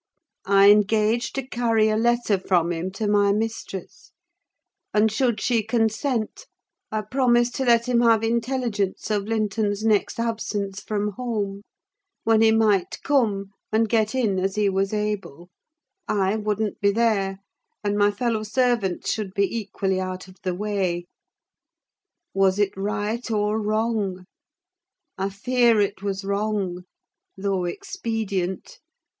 I engaged to carry a letter from him to my mistress; and should she consent, I promised to let him have intelligence of Linton's next absence from home, when he might come, and get in as he was able: I wouldn't be there, and my fellow servants should be equally out of the way. Was it right or wrong? I fear it was wrong, though expedient.